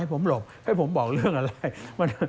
ผมหลบให้ผมบอกเรื่องอะไร